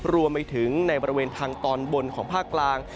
รวมไปถึงในบริเวณทางตอนบนของภาคกลาง